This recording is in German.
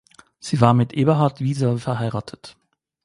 Sie war mit Eberhard Wieser verheiratet.